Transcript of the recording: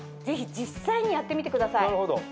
ぜひ実際にやってみてください。